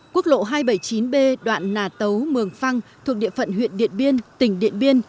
quốc lộ hai trăm bảy mươi chín b đoạn nà tấu mường phăng thuộc địa phận huyện điện biên tỉnh điện biên